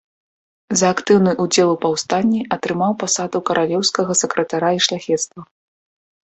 За актыўны ўдзел у паўстанні атрымаў пасаду каралеўскага сакратара і шляхецтва.